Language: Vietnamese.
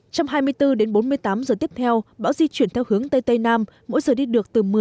trong hai mươi bốn h đến bốn mươi tám h giờ tiếp theo bão di chuyển theo hướng tây tây nam mỗi giờ đi được từ một mươi đến một mươi năm km